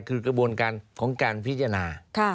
คือกระบวนการของการพิจารณา